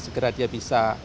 segera dia bisa